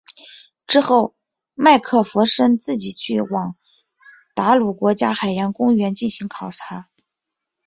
之后麦克弗森自己去往达鲁国家海洋公园进行考察。